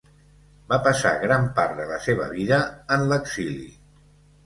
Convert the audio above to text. Va passar gran part de la seva vida en l'exili.